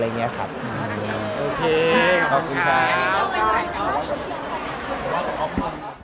โอเคขอบคุณครับ